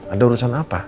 ada urusan apa